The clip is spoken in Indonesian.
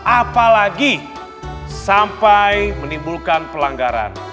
apalagi sampai menimbulkan pelanggaran